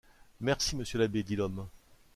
Merci, monsieur l’abbé, dit l’homme.